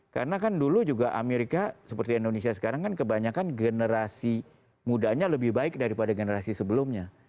karena kan dulu juga amerika seperti indonesia sekarang kan kebanyakan generasi mudanya lebih baik daripada generasi sebelumnya